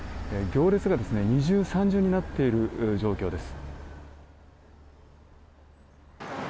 行列が二重三重になっている状況です。